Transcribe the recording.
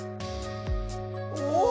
お。